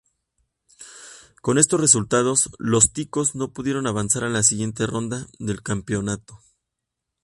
Con estos resultados, los "Ticos" no pudieron avanzar a la siguiente ronda del campeonato.